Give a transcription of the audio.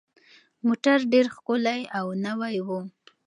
موټر ډېر ښکلی او نوی و.